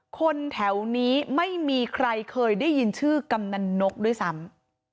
คนแถวนี้ไม่มีใครเคยได้ยินชื่อกำนันนกด้วยซ้ำ